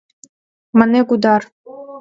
— мане Гудар.